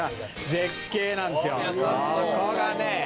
「ここがね